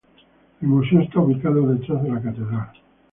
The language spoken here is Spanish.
El museo está ubicado detrás de la Catedral.